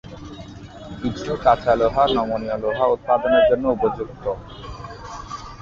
কিছু কাঁচা লোহা নমনীয় লোহা উৎপাদন জন্য উপযুক্ত।